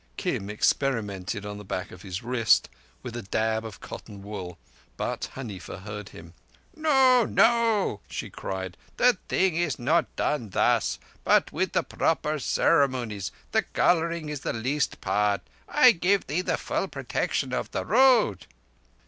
Kim experimented on the back of his wrist, with a dab of cotton wool; but Huneefa heard him. "No, no," she cried, "the thing is not done thus, but with the proper ceremonies. The colouring is the least part. I give thee the full protection of the Road."